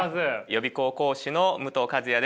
予備校講師の武藤一也です。